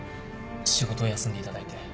仕事を休んでいただいて。